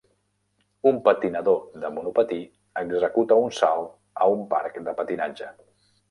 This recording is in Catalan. Un patinador de monopatí executa un salt a un parc de patinatge.